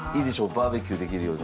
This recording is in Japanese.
バーベキューできるように。